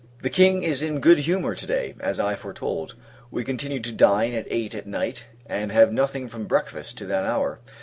The King is in good humour to day, as I foretold. We continue to dine at eight at night, and have nothing from breakfast to that hour.